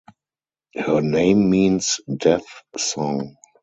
Her name means "Death Song".